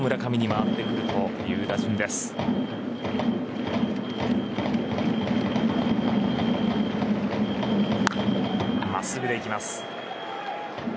真っすぐでいきます。